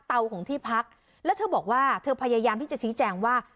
ของที่พักแล้วเธอบอกว่าเธอพยายามที่จะชี้แจงว่า